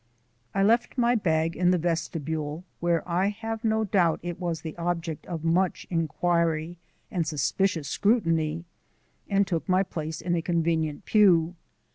I left my bag in the vestibule, where I have no doubt it was the object of much inquiring and suspicious scrutiny, and took my place in a convenient pew.